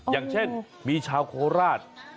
อย่างเช่นมีชาวโคราช